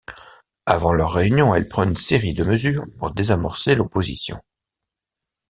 Avant leur réunion, elle prend une série de mesures pour désamorcer l’opposition.